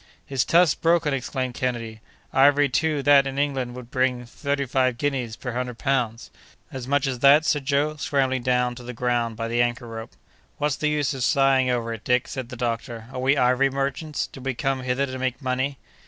"His tusk's broken!" exclaimed Kennedy—"ivory too that in England would bring thirty five guineas per hundred pounds." "As much as that?" said Joe, scrambling down to the ground by the anchor rope. "What's the use of sighing over it, Dick?" said the doctor. "Are we ivory merchants? Did we come hither to make money?"